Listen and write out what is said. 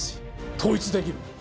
統一できる！